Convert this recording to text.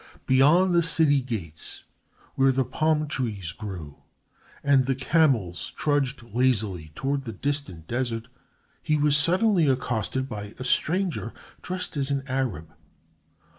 Beyond the city gates, where the palm trees grew and the camels trudged lazily toward the distant desert, he was suddenly accosted by a stranger dressed as an Arab.